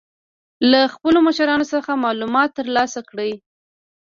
له خپلو مشرانو څخه معلومات تر لاسه کړئ.